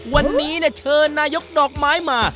วันนี้เชิญนายกดอกไม้มา